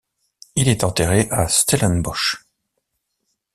Il est enterré à Stellenbosch.